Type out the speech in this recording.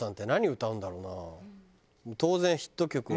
当然ヒット曲は。